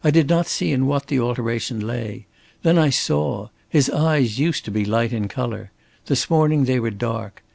I did not see in what the alteration lay. Then I saw. His eyes used to be light in color. This morning they were dark.